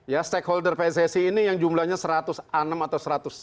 ya stakeholder pssi ini yang jumlahnya satu ratus enam ya